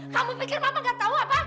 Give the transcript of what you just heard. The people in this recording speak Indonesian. kamu pikir mama nggak tahu apa